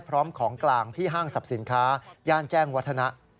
พร้อมของกลางที่ห้างสรรพสินค้าย่านแจ้งวัฒนะ